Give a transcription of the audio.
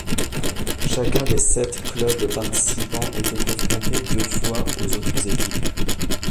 Chacun des sept clubs participant était confronté deux fois aux autres équipes.